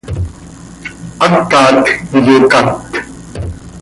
Hacat iyocát.